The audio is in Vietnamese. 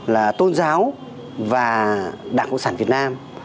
là tôn giáo và đảng cộng sản việt nam